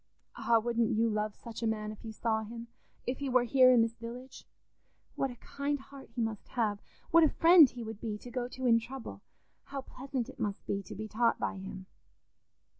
"Ah, wouldn't you love such a man if you saw him—if he were here in this village? What a kind heart he must have! What a friend he would be to go to in trouble! How pleasant it must be to be taught by him.